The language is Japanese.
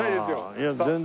いや全然。